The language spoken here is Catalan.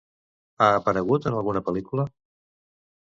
Ha aparegut en alguna pel·lícula?